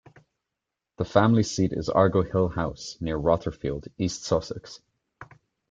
The family seat is Argo Hill House, near Rotherfield, East Sussex.